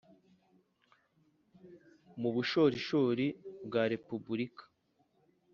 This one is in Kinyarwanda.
mu bushorishori bwa repubulika,